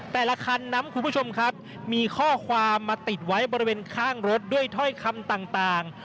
แต่ละคันนั้นคุณผู้ชมครับมีข้อความมาติดไว้บริเวณข้างรถด้วยถ้อยคำต่าง